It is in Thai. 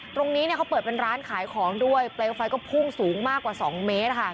ตรงนี้เขาเปิดเป็นร้านขายของด้วยเปลวไฟก็พุ่งสูงมากกว่า๒เมตร